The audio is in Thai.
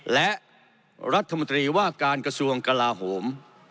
และรัฐมนตรีว่าการกระทรวงกลาโหม